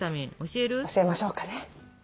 教えましょうかね。